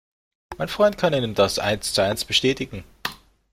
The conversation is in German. Mein Freund kann Ihnen das eins zu eins bestätigen.